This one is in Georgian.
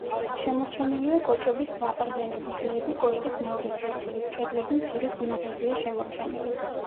შემორჩენილია კოჭების საყრდენი ბუდეები კოშკის მეორე სართულის კედლები მცირე სიმაღლეზეა შემორჩენილი.